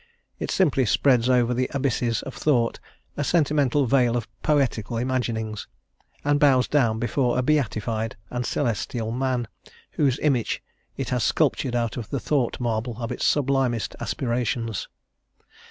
It simply spreads over the abysses of thought a sentimental veil of poetical imaginings, and bows down before a beatified and celestial man, whose image it has sculptured out of the thought marble of its sublimest aspirations.